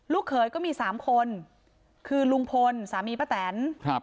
ลูกเขยก็มี๓คนคือลุงพลสามีป้าแตน